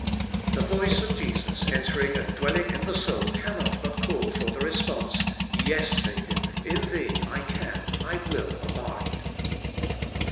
The voice of Jesus entering and dwelling in the soul cannot but call for the response: *Yes, Saviour, m Thee I can, I will abide.'